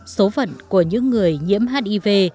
số phận của những người nhiễm hiv